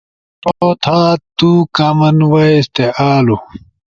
شروع تھا، تُو کان وائس تے آلو